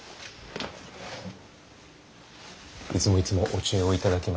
いつもいつもお知恵を頂きまして。